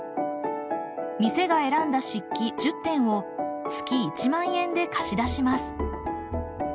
店が選んだ漆器１０点を月１万円で貸し出します。